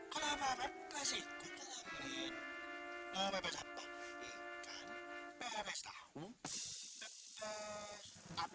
kalau pepes ikut ke samin